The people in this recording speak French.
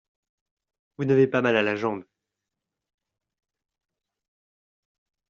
Vous n’avez pas mal à la jambe.